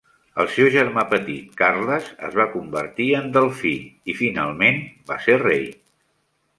El seu germà petit, Carles, es va convertir en delfí i, finalment, va ser rei.